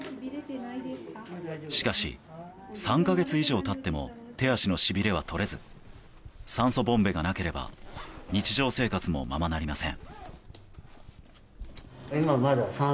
しかし、３か月以上経っても手足のしびれはとれず酸素ボンベがなければ日常生活もままなりません。